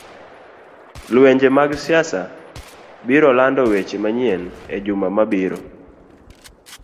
lwenje mag siasa biro lando weche manyien e juma mabiro.